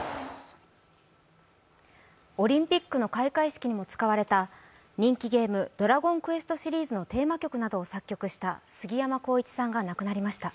オリンピックの開会式にも使われた人気ゲーム「ドラゴンクエスト」シリーズのテーマ曲などを作曲したすぎやまこういちさんが亡くなりました。